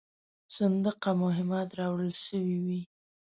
صندوقه مهمات راوړل سوي وې.